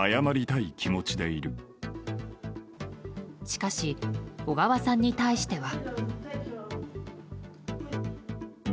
しかし、小川さんに対しては。